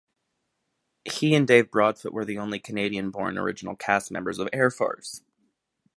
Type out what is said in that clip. He and Dave Broadfoot were the only Canadian-born original cast members of "Air Farce".